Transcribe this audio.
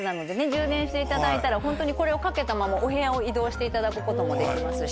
充電していただいたらホントにこれを掛けたままお部屋を移動していただくこともできますし。